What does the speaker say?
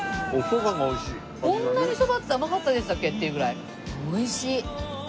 こんなにそばって甘かったでしたっけっていうぐらい美味しい。